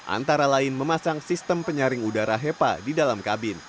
antara lain memasang sistem penyaring udara hepa di dalam kabin